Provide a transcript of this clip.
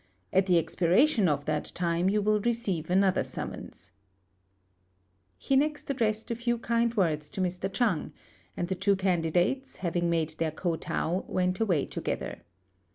At the expiration of that time you will receive another summons." He next addressed a few kind words to Mr. Chang; and the two candidates, having made their kotow, went away together.